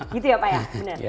gitu ya pak ya